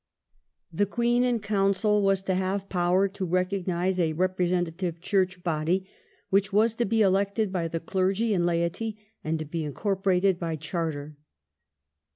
^ The Queen in Council was to have power to recognize a representative Church Body which was to be elected by the clergy and laity and to be incorporated by Charter.